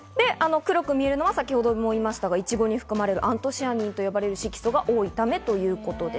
黒く見えるのは、いちごに含まれるアントシアニンと呼ばれる色素が多いためということです。